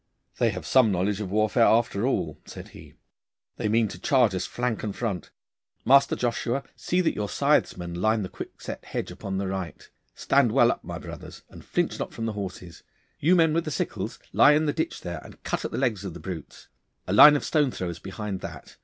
'They have some knowledge of warfare after all,' said he. 'They mean to charge us flank and front. Master Joshua, see that your scythesmen line the quickset hedge upon the right. Stand well up, my brothers, and flinch not from the horses. You men with the sickles, lie in the ditch there, and cut at the legs of the brutes. A line of stone throwers behind that.